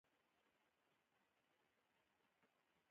کله چې دولتي چارواکي د تصفیې په موخه ګامونه اخلي دوی رشوت مني.